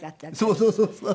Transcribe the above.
そうそうそうそう。